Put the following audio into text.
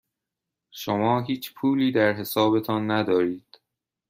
شما هیچ پولی در حسابتان ندارید.